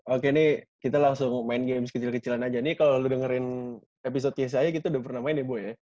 oke nih kita langsung main games kecil kecilan aja nih kalau lo dengerin episodenya saya kita udah pernah main ya bu ya